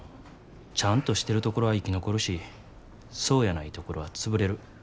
ちゃんとしてるところは生き残るしそうやないところは潰れる。